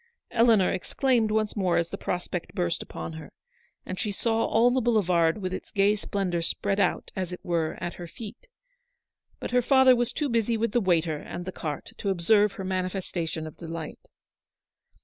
Eleanor exclaimed once more as the prospect burst upon her, and she saw all the boulevard G 2 84 Eleanor's victory. with its gay splendour, spread out, as it were, at her feet ; but her father was too busy with the waiter and the carte to observe her manifestation of delight.